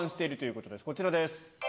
こちらです！